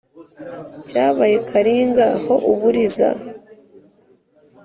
cyabyaye karinga ho uburiza,